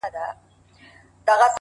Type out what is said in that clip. چي ټوله ورځ ستا د مخ لمر ته ناست وي!!